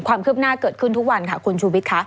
ความคืบหน้าเกิดขึ้นทุกวันค่ะคุณชูวิทย์ค่ะ